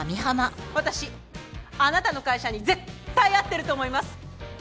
私あなたの会社に絶対合ってると思います！